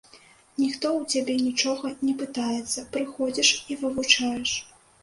Ніхто ў цябе нічога не пытаецца, прыходзіш і вывучаеш.